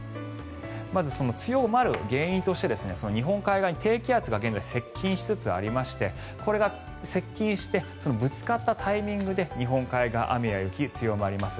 まず、強まる原因として日本海側に低気圧が現在接近しつつありましてこれが接近してぶつかったタイミングで日本海側、雨や雪が強まります。